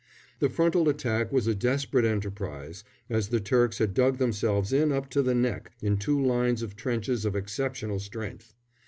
The frontal attack was a desperate enterprise, as the Turks had dug themselves in up to the neck in two lines of trenches of exceptional strength.